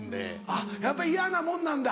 あっやっぱ嫌なもんなんだ。